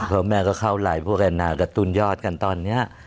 พ่อแม่ก็เข้าหลายพวกแอนนากระตุ้นยอดกันตอนนี้